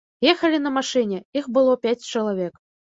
Ехалі на машыне, іх было пяць чалавек.